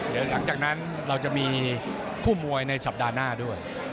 เดี๋ยวหลังจากนั้นเราจะมีคู่มวยในสัปดาห์หน้าด้วย